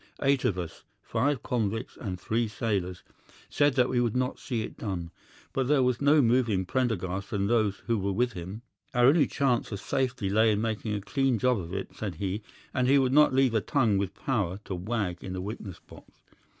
Eight of us, five convicts and three sailors, said that we would not see it done. But there was no moving Prendergast and those who were with him. Our only chance of safety lay in making a clean job of it, said he, and he would not leave a tongue with power to wag in a witness box.